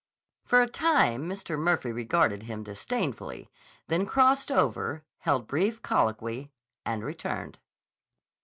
For a time Mr. Murphy regarded him disdainfully, then crossed over, held brief colloquy, and returned.